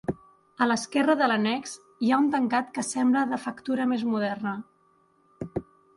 A l'esquerra de l'annex hi ha un tancat que sembla de factura més moderna.